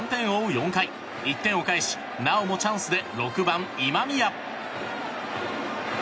４回１点を返しなおもチャンスで６番、今宮。